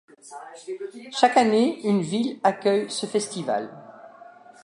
Chaque année une ville accueille ce festival.